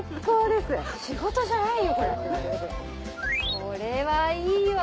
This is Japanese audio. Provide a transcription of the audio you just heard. これはいいわ。